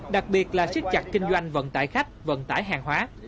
đặc biệt là siết chặt kinh doanh vận tải khách vận tải hàng hóa